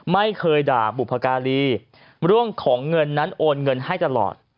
ไม่เคยด่าบุพการีเรื่องของเงินนั้นโอนเงินให้ตลอด